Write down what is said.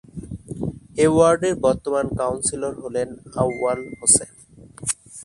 এ ওয়ার্ডের বর্তমান কাউন্সিলর হলেন আউয়াল হোসেন।